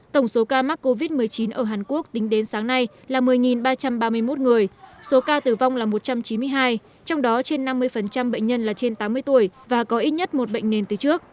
tổng số ca mắc covid một mươi chín ở hàn quốc tính đến sáng nay là một mươi ba trăm ba mươi một người số ca tử vong là một trăm chín mươi hai trong đó trên năm mươi bệnh nhân là trên tám mươi tuổi và có ít nhất một bệnh nền từ trước